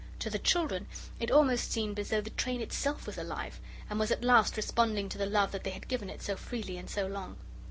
To the children it almost seemed as though the train itself was alive, and was at last responding to the love that they had given it so freely and so long.